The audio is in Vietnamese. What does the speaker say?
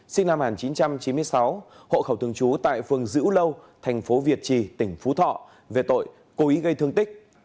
sinh năm một nghìn chín trăm chín mươi sáu hộ khẩu thường trú tại phường dữ lâu thành phố việt trì tỉnh phú thọ về tội cố ý gây thương tích